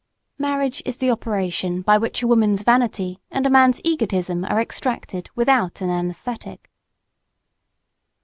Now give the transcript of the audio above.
Marriage is the operation by which a woman's vanity and a man's egotism are extracted without an anaesthetic.